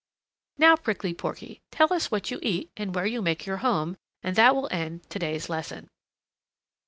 Now, Prickly Porky, tell us what you eat and where you make your home, and that will end today's lesson."